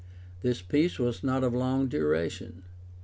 This peace was not of long duration.